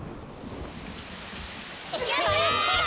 やった！